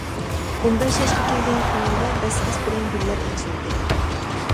ئون بەش ياشقا كىرگەن كۈنۈڭدە، بەس-بەس بىلەن گۈللەر ئېچىلدى.